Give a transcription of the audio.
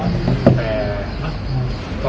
ใช่ใช่ครับ